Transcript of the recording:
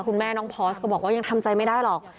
คุณแม่น้องพอร์สก็บอกว่ายังทำใจไม่ได้หรอก